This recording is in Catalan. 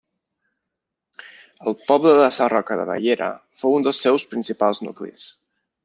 El poble de Sarroca de Bellera fou un dels seus principals nuclis.